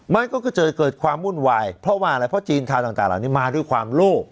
มันก็จะเกิดความวุ่นวายเพราะว่าอะไรเพราะจีนข่าวต่างเหล่านี้มาด้วยความโล่